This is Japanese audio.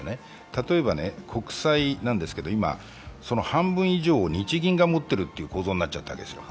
例えば国債、今半分以上を日銀が持っている構造になっちゃったわけですよ。